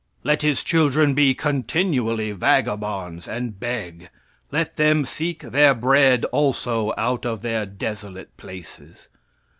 "Let his children be continually vagabonds, and beg; let them seek their bread also out of their desolate places.